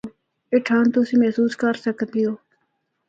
اے ٹھنڈ تُسیں محسوس کر سکدے او۔